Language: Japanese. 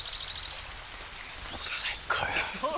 最高よ。